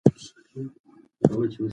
ماشوم په ډېر سرعت سره د انا خواته راغی.